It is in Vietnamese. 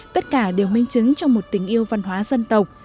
tất cả đều minh chứng trong một tình yêu văn hóa dân tộc